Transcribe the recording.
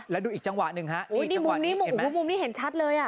และดูอีกจังหวะหนึ่งโอ้ยมุมนี้เห็นชัดเลย